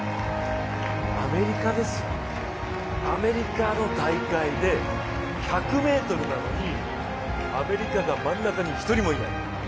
アメリカですよ、アメリカの大会で１００ｍなのにアメリカが真ん中に１人もいない。